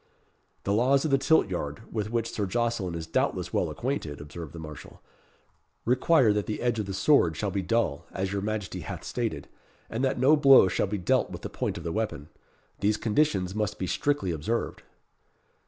"The laws of the tilt yard, with which Sir Jocelyn is doubtless well acquainted," observed the marshal, "require that the edge of the sword shall be dull, as your Majesty hath stated, and that no blow shall be dealt with the point of the weapon. These conditions must be strictly observed."